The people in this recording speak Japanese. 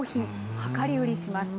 量り売りします。